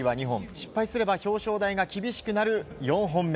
失敗すれば表彰台が厳しくなる４本目。